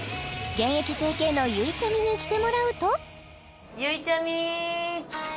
現役ＪＫのゆいちゃみに着てもらうとゆいちゃみ